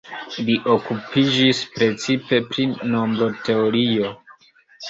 Li okupiĝis precipe pri nombroteorio.